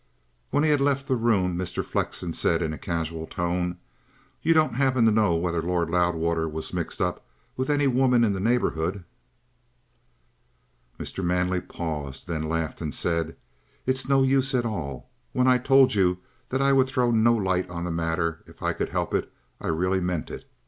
When he had left the room Mr. Flexen said in a casual tone: "You don't happen to know whether Lord Loudwater was mixed up with any woman in the neighbourhood?" Mr. Manley paused, then laughed and said: "It's no use at all. When I told you that I would throw no light on the matter, if I could help it, I really meant it.